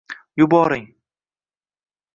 yuboring